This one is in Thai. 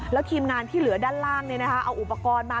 แล้วทีมงานที่เหลือด้านล่างเอาอุปกรณ์มา